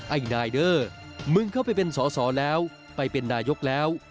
ไอ้นายเด้อมึงเข้าไปเป็นสอสอแล้วไปเป็นนายกแล้ว